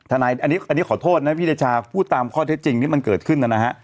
นายอันนี้ขอโทษนะพี่เดชาพูดตามข้อเท็จจริงที่มันเกิดขึ้นนะฮะ